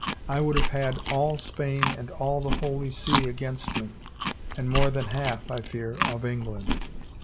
I would have had all Spain and all the Holy See against me, and more than half, I fear, of England.